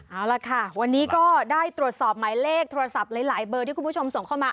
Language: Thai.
เอาล่ะค่ะวันนี้ก็ได้ตรวจสอบหมายเลขโทรศัพท์หลายเบอร์ที่คุณผู้ชมส่งเข้ามา